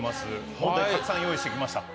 問題たくさん用意してきました。